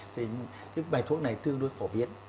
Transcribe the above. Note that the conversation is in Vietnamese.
thì cái bài thuốc này tương đối phổ biến